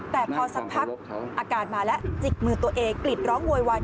แต่พอสักพักอาการมาแล้วจิกมือตัวเองกลิดร้องโวยวาย